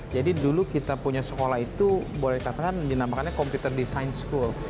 jadi dulu kita punya sekolah itu boleh ditekan dinamakannya computer design school